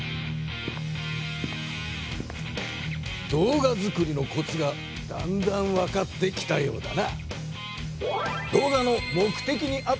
動画作りのコツがだんだんわかってきたようだな。